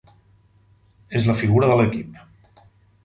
És la figura de l'equip.